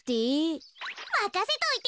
まかせといて。